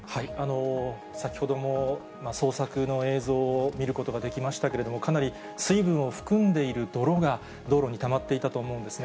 先ほども捜索の映像を見ることができましたけれども、かなり水分を含んでいる泥が道路にたまっていたと思うんですね。